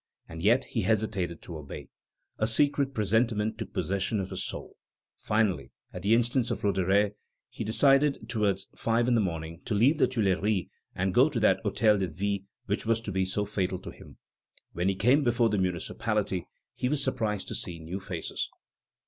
And yet he hesitated to obey. A secret presentiment took possession of his soul. Finally, at the instance of Roederer, he decided, towards five in the morning, to leave the Tuileries and go to that Hôtel de Ville, which was to be so fatal to him. When he came before the municipality he was surprised to see new faces.